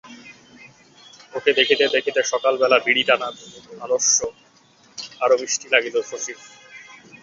ওকে দেখিতে দেখিতে সকালবেলা বিড়ি টানার আলস্য আরও মিষ্টি লাগিল শশীর।